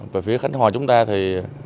về phía khánh hòa chúng ta thì